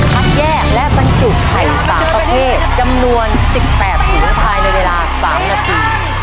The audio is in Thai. พักแยกและบรรจุไถ่๓ประเภทจำนวน๑๘หรือเท้าในเวลา๓นาที